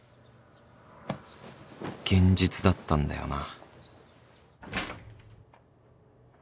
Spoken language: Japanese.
現実だったんだよな